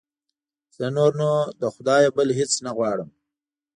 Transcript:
زه نور نو له خدایه بل هېڅ نه غواړم.